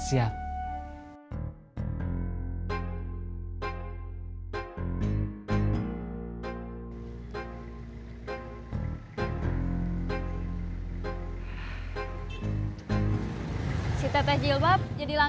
enggak tapi di rumah aja